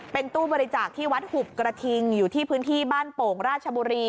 เป็นตู้บริจาคที่วัดหุบกระทิงอยู่ที่พื้นที่บ้านโป่งราชบุรี